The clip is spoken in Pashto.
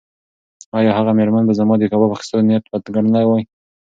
ایا هغه مېرمن به زما د کباب اخیستو نیت بد ګڼلی وای؟